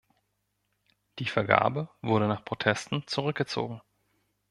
Die Vergabe wurde nach Protesten zurückgezogen.